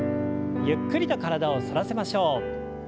ゆっくりと体を反らせましょう。